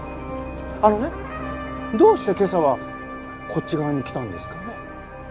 あのねどうして今朝はこっち側に来たんですかね？